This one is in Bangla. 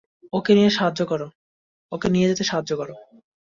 ওকে নিয়ে যেতে সাহায্য করো!